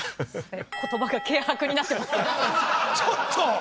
ちょっと！